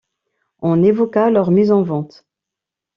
On évoqua leur mise en vente...